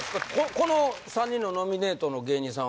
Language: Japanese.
この３人のノミネートの芸人さん